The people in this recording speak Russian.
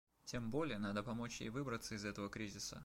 Тем более надо помочь ей выбраться из этого кризиса.